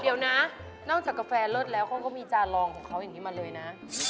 เดี๋ยวนะนอกจากกาแฟเลิศแล้วเขาก็มีจานรองของเขาอย่างนี้มาเลยนะ